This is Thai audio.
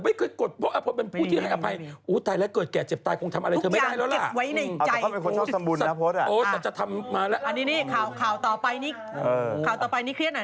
เบ๊ะปากว่าอะไร